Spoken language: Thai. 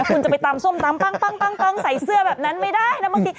คุณจะไปตำส้มตำปั้งใส่เสื้อแบบนั้นไม่ได้นะบางที